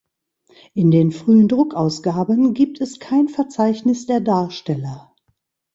In den frühen Druckausgaben gibt es kein Verzeichnis der Darsteller.